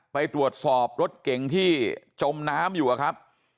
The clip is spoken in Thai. ไปตรวจสอบรถเก๋งที่จมน้ำอยู่อะครับ